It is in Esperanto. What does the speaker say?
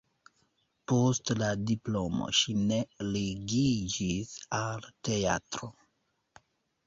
Post la diplomo ŝi ne ligiĝis al teatro.